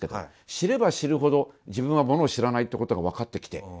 知れば知るほど自分はものを知らないってことが分かってきて。